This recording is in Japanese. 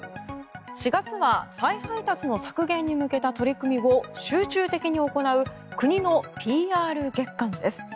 ４月は再配達の削減に向けた取り組みを集中的に行う国のＰＲ月間です。